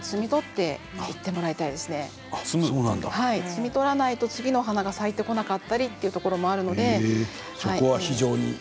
摘み取らないと次のお花が咲いてこなかったりということもあるので。